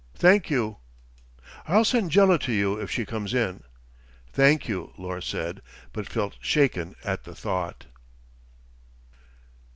Thank you." "I'll send Jela to you, if she comes in." "Thank you," Lors said, but felt shaken at the thought.